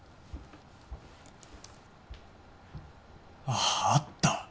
あっあった。